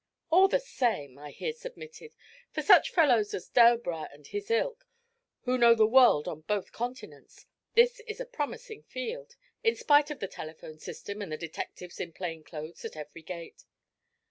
'All the same,' I here submitted, 'for such fellows as Delbras and his ilk, who know the world on both continents, this is a promising field, in spite of the telephone system and the detectives in plain clothes at every gate.'